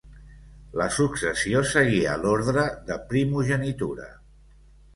La successió seguia l'ordre de primogenitura.